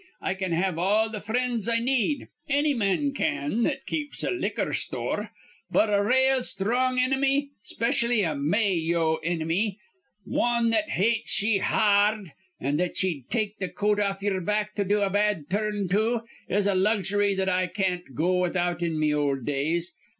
I can have all th' frinds I need. Anny man can that keeps a liquor sthore. But a rale sthrong inimy, specially a May o inimy, wan that hates ye ha ard, an' that ye'd take th' coat off yer back to do a bad tur rn to, is a luxury that I can't go without in me ol' days.